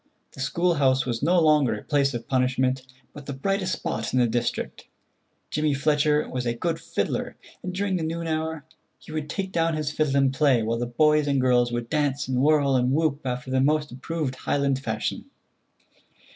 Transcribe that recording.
The school house was no longer a place of punishment, but the brightest spot in the district. Jimmy Fletcher was a good fiddler, and during the noon hour he would take down his fiddle and play, while the boys and girls would dance and whirl and whoop after the most approved Highland fashion.